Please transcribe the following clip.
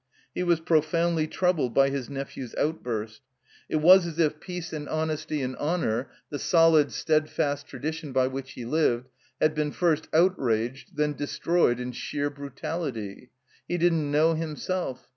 He was profoimdly troubled by his nephew's outburst. It was as if peace and 37a THE COMBINED MAZE honesty and h por, the soKd, steadfast tradition by which he li\ d, had been first outraged, then de« .stroyed in s ^per brutality. He didn't know him self.